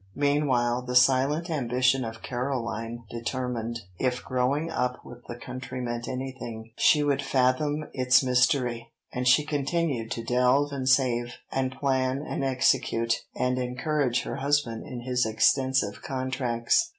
Meanwhile, the silent ambition of Caroline determined, if growing up with the country meant anything, she would fathom its mystery, and she continued to delve and save, and plan and execute, and encourage her husband in his extensive contracts.